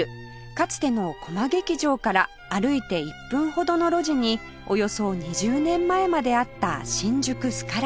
かつてのコマ劇場から歩いて１分ほどの路地におよそ２０年前まであった新宿スカラ座